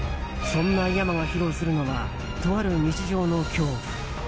そんな伊山が披露するのはとある日常の恐怖。